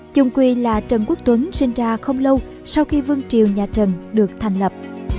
chung quy là trần quốc tuấn sinh ra không lâu sau khi vương triều nhà trần được thành lập